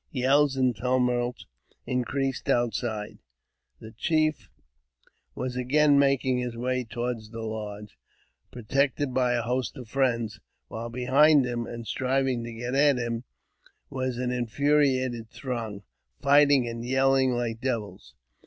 Yells and tumult increased out side ; the chief was again making his way toward the lodge, protected by a host of friends, while behind him, and striving to get at him, was an infuriated throng, fighting and yelling like devils.